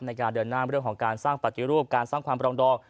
ในการเดินหน้าเรื่องของการสร้างปฏิรูปการสร้างความปรองดอง